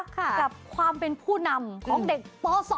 กับความเป็นผู้นำของเด็กป๒